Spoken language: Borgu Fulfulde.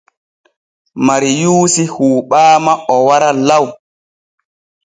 Mariyuusi huuɓaama o wara law.